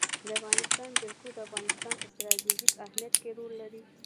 د افغانستان جلکو د افغانستان په ستراتیژیک اهمیت کې رول لري.